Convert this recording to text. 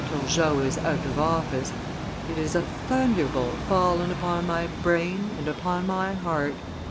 Turgot is out of office. It is a thunderbolt fallen upon my brain and upon my heart."